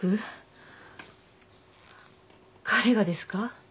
彼がですか？